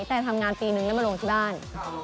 แต่ทำงานปีนึงแล้วมาลงที่บ้าน